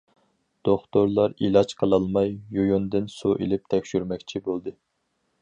دوختۇرلار ئىلاج قىلالماي يۇلۇندىن سۇ ئېلىپ تەكشۈرمەكچى بولدى.